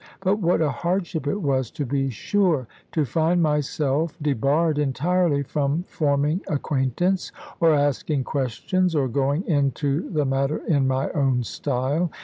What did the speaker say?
But what a hardship it was, to be sure, to find myself debarred entirely from forming acquaintance, or asking questions, or going into the matter in my own style!